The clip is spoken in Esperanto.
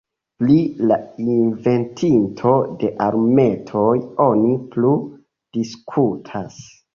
Pri la inventinto de alumetoj oni plu diskutas.